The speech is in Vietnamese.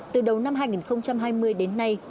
từ đầu năm hai nghìn hai mươi đến nay